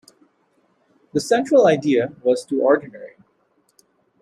The central idea was too ordinary".